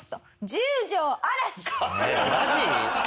マジ？